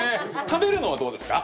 食べるのはどうですか？